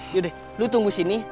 yaudah lo tunggu sini